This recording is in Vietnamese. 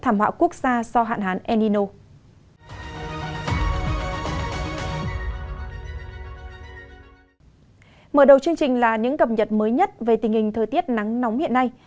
mở đầu chương trình là những cập nhật mới nhất về tình hình thời tiết nắng nóng hiện nay